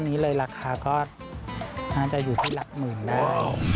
นี้เลยราคาก็น่าจะอยู่ที่หลักหมื่นได้